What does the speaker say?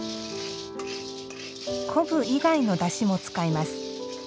昆布以外のだしも使います。